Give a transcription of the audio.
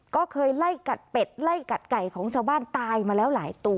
ก็เคยไล่กัดเป็ดไล่กัดไก่ของชาวบ้านตายมาแล้วหลายตัว